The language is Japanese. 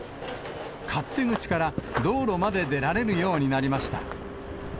勝手口から道路まで出られるようになりました。